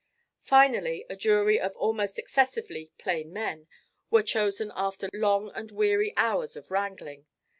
Finally a jury of almost excessively "plain men" were chosen after long and weary hours of wrangling.